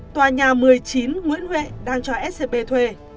tòa nhà một mươi chín nguyễn huệ đang cho scb thuê